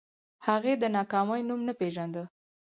هغې د ناکامۍ نوم نه پېژانده